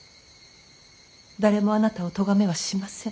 誰もあなたを咎めはしません。